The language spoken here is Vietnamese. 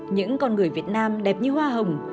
những con người việt nam đẹp như hoa hồng